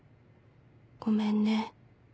ごめんね。